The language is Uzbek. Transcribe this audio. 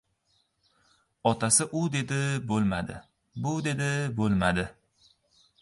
Otasi u dedi, bo‘lmadi, bu dedi, bo‘lmadi.